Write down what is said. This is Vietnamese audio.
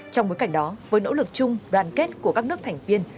trong bối cảnh đó với nỗ lực chung đoàn kết của các nước thành viên